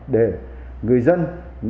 để người dân